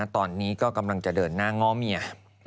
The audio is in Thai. ตอนนี้ก็กำลังจะเดินหน้าง้อเมีย